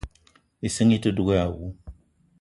Issinga ite dug èè àwu